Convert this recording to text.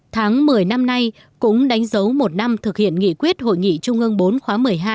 tháng một mươi năm nay cũng đánh dấu một năm thực hiện nghị quyết hội nghị trung ương bốn khóa một mươi hai